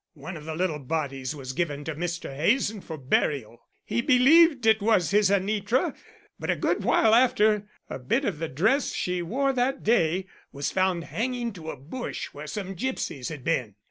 One of the little bodies was given to Mr. Hazen for burial. He believed it was his Anitra, but a good while after, a bit of the dress she wore that day was found hanging to a bush where some gipsies had been.